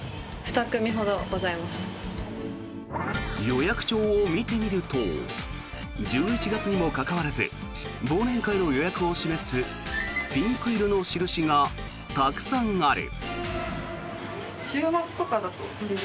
予約帳を見てみると１１月にもかかわらず忘年会の予約を示すピンク色の印がたくさんある。